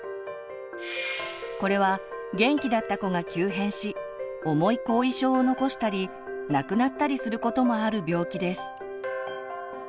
これは元気だった子が急変し重い後遺症を残したり亡くなったりすることもある病気です。